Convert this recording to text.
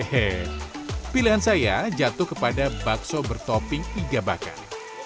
hei pilihan saya jatuh kepada bakso bertopping iga bakar